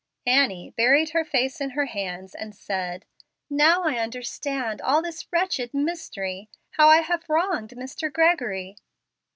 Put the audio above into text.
Annie buried her face in her hands and said, "Now I understand all this wretched mystery. How I have wronged Mr. Gregory!"